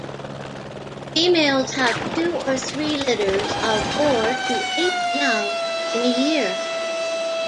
Females have two or three litters of four to eight young in a year.